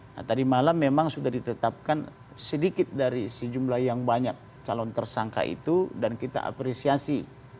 nah tadi malam memang sudah ditetapkan sedikit dari sejumlah yang banyak calon tersangka itu dan kita apresiasi